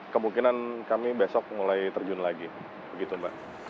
kemungkinan kami besok mulai terjun lagi begitu mbak